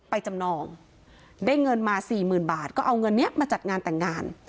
จำนองได้เงินมาสี่หมื่นบาทก็เอาเงินนี้มาจัดงานแต่งงาน